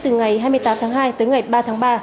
từ ngày hai mươi tám tháng hai tới ngày ba tháng ba